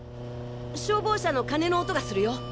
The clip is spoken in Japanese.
消防車の鐘の音がするよ！